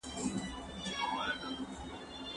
لا د لوړو ورېځو شاته عقابان وهي وزرې